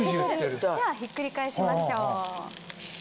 じゃあひっくり返しましょう。